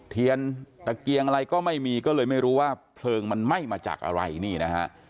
เทียนตะเกียงอะไรก็ไม่มีก็เลยไม่รู้ว่าเพลิงมันไหม้มาจากอะไรนี่นะฮะ